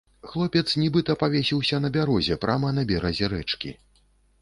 Хлопец нібыта павесіўся на бярозе прама на беразе рэчкі.